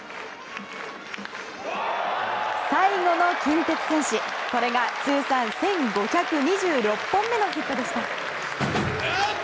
最後の近鉄戦士これが、通算１５２６本目のヒットでした。